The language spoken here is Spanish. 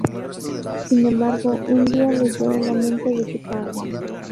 Sin embargo, un día leyó la mente de su padre.